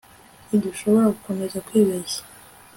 Ntidushobora gukomeza kwibeshya